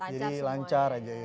jadi lancar aja ya